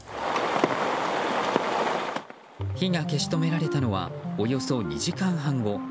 火が消し止められたのはおよそ２時間半後。